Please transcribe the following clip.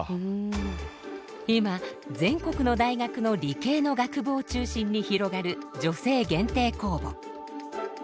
今全国の大学の理系の学部を中心に広がる女性限定公募。